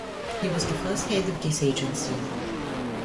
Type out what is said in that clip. He was the first head of this agency.